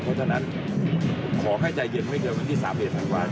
เพราะฉะนั้นขอให้ใจเย็นไม่เกินวันที่๓๑ธันวาคม